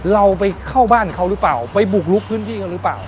เราไปเข้าบ้านเขาหรือเปล่าไปบุกลุกพื้นที่เขาหรือเปล่า